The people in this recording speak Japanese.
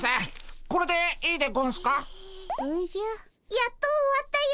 やっと終わったよ。